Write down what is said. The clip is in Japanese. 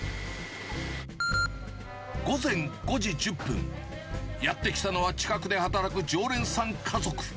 午前５時１０分、やって来たのは、近くで働く常連さん家族。